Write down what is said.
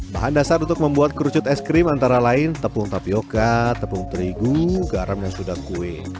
bahan dasar untuk membuat kerucut es krim antara lain tepung tapioca tepung terigu garam yang sudah kue